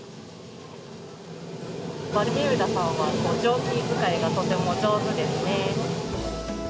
バルミューダさんは、蒸気使いがとても上手ですね。